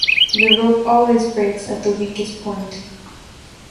The rope always breaks at the weakest point.